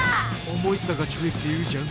思い立ったが直撃って言うじゃん。